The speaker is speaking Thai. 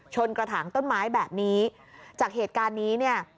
กระถางต้นไม้แบบนี้จากเหตุการณ์นี้เนี่ย